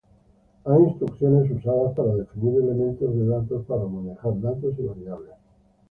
Hay instrucciones usadas para definir elementos de datos para manejar datos y variables.